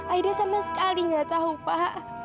aida sama sekali gak tau pak